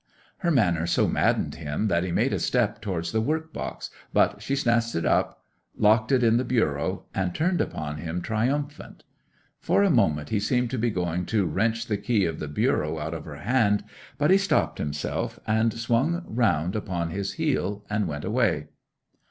'Her manner so maddened him that he made a step towards the work box, but she snatched it up, locked it in the bureau, and turned upon him triumphant. For a moment he seemed to be going to wrench the key of the bureau out of her hand; but he stopped himself, and swung round upon his heel and went away.